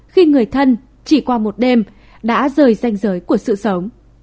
khi người thân chỉ qua một đêm đã rời danh giới của sự sống